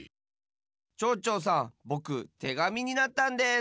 ちょうちょうさんぼくてがみになったんです。